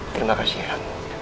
terima kasih ya